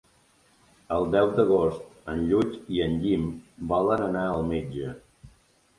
El deu d'agost en Lluc i en Guim volen anar al metge.